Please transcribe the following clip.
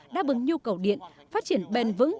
đáp ứng nhu cầu điện phát triển bền vững